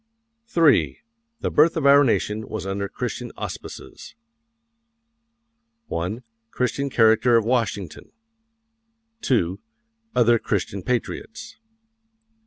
III. THE BIRTH OF OUR NATION WAS UNDER CHRISTIAN AUSPICES. 1. Christian character of Washington. 2. Other Christian patriots.